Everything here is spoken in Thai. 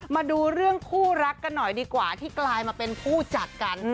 มาดูเรื่องคู่รักกันหน่อยดีกว่าที่กลายมาเป็นผู้จัดกัน